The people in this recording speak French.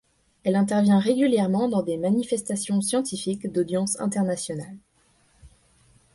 Elle intervient régulièrement dans des manifestations scientifiques d'audience internationale.